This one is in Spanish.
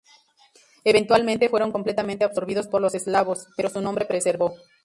Eventualmente fueron completamente absorbidos por los eslavos, pero su nombre preservó.